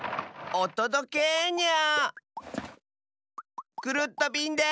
おとどけニャ！